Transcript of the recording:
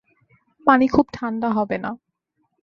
পানি খুব ঠাণ্ডা হবে না।